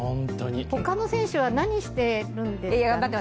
他の選手は何してるんですか？